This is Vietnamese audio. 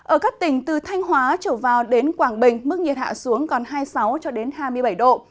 ở các tỉnh từ thanh hóa trở vào đến quảng bình mức nhiệt hạ xuống còn hai mươi sáu hai mươi bảy độ